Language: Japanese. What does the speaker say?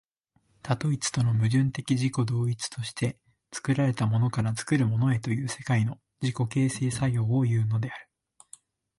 多と一との矛盾的自己同一として、作られたものから作るものへという世界の自己形成作用をいうのである。